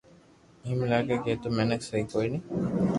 ايم لاگي ڪي تو مينک سھي ڪوئي ني